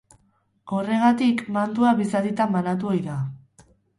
Horregatik, mantua bi zatitan banatu ohi da.